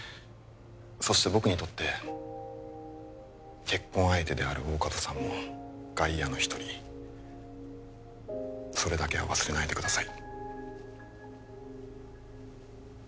そして僕にとって結婚相手である大加戸さんも外野の一人それだけは忘れないでください